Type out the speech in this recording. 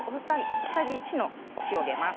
大さじ１のお塩を入れます。